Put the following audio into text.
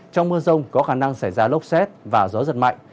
trong mưa rông có khả năng xảy ra lốc xét và gió giật mạnh